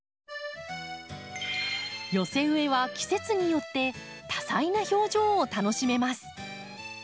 寄せ植えは季節によって多彩な表情を楽しめます。